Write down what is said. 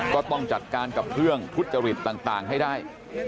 ก็ต้องจัดการกับเรื่องทุจริตต่างให้ได้